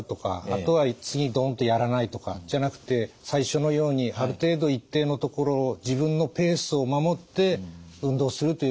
あとは次ドンとやらないとかじゃなくて最初のようにある程度一定のところを自分のペースを守って運動するというのがいいことだと思います。